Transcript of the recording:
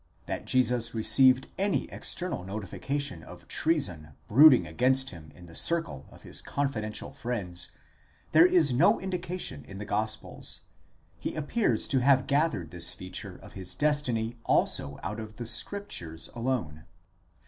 That Jesus received any external notification of treason brooding against him in the circle of his confidential friends, there is no indication in . the gospels: he appears to have gathered this feature of his destiny also out of the scriptures alone.